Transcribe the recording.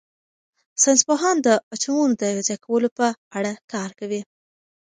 ساینس پوهان د اتومونو د یوځای کولو په اړه کار کوي.